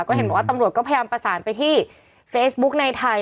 ก็เห็นบอกว่าตำรวจก็พยายามประสานไปที่เฟซบุ๊กในไทย